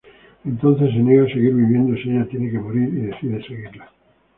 Entonces se niega a seguir viviendo si ella tiene que morir, y decide seguirla.